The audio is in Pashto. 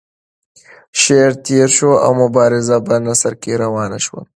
شعر تیر شو او مبارزه په نثر کې روانه شوه.